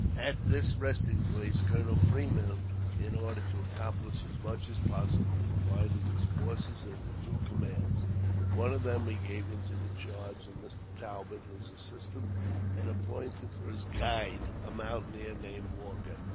At this resting place Colonel Fremont, in order to accomplish as much as possible, divided his forces into two commands. One of them he gave into the charge of Mr. Talbot, his assistant, and appointed for his guide a mountaineer named Walker.